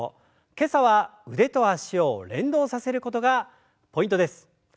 今朝は腕と脚を連動させることがポイントです。